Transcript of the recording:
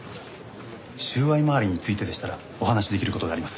収賄周りについてでしたらお話しできる事があります。